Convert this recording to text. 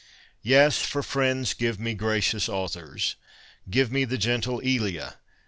Yes, for friends give me gracious authors. Give me the gentle Elia.